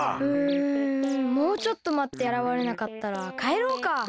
うんもうちょっとまってあらわれなかったらかえろうか。